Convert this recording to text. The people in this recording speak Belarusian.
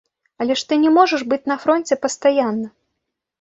Але ж ты не можаш быць на фронце пастаянна.